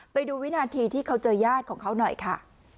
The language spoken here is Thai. ไปดูวินาทีที่เขาเจอญาติของเขาหน่อยค่ะ